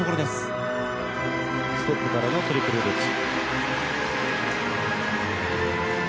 ステップからのトリプルルッツ。